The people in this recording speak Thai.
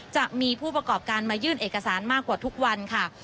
จะมีผู้ประกอบการมายื่นเอกสารมากกว่าทุกวันค่ะ